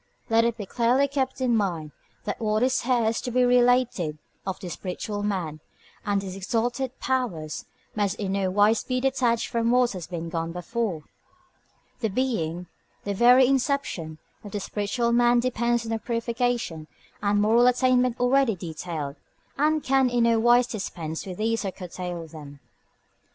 Let it be clearly kept in mind that what is here to be related of the spiritual man, and his exalted powers, must in no wise be detached from what has gone before. The being, the very inception, of the spiritual man depends on the purification and moral attainment already detailed, and can in no wise dispense with these or curtail them.